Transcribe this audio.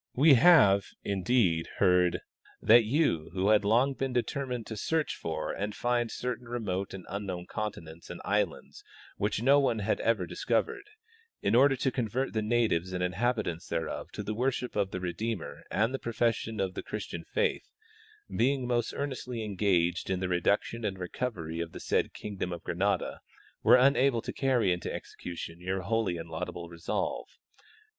We have, indeed, heard that you, who had long been determined to search for and find certain remote and unknown continents and islands which no one had ever dis covered, in order to convert the natives and inhabitants thereof to the worship of the Redeemer and the profession of the Christian faith, being most earnestly engaged in the reduction and recovery of the said kingdom of Granada, were unable to carry into exe cution your holy and laudable resolve.